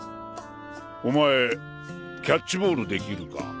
お前キャッチボールできるか？